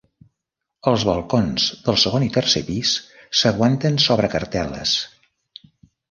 Els balcons del segon i tercer pis s'aguanten sobre cartel·les.